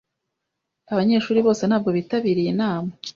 Abanyeshuri bose ntabwo bitabiriye inama.